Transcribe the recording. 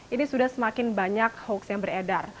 ini sudah semakin banyak hoax yang beredar